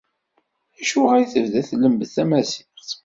Acuɣer i tebda tlemmed tamaziɣt?